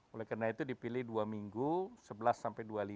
oleh karena itu dipilih dua minggu sebelas sampai dua puluh lima